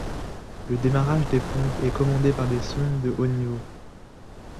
Le démarrage des pompes est commandé par des sondes de niveau haut.